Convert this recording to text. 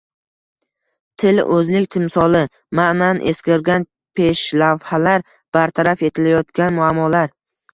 Til – o‘zlik timsoli: ma’nan eskirgan peshlavhalar, bartaraf etilayotgan muammolar...